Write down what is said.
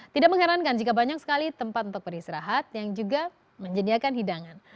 tidak mengherankan jika banyak sekali tempat untuk beristirahat yang juga menyediakan hidangan